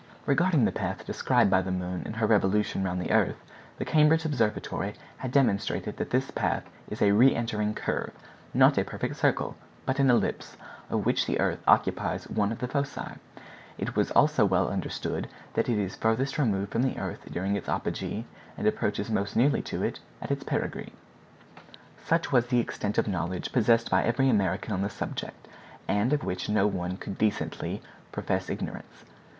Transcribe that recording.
Regarding the path described by the moon in her revolution round the earth, the Cambridge Observatory had demonstrated that this path is a re entering curve, not a perfect circle, but an ellipse, of which the earth occupies one of the foci. It was also well understood that it is farthest removed from the earth during its apogee, and approaches most nearly to it at its perigee. Such was then the extent of knowledge possessed by every American on the subject, and of which no one could decently profess ignorance.